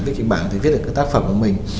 viết kinh bản thì viết được các tác phẩm của mình